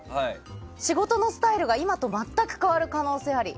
仕事のスタイルが今と全く変わる可能性あり。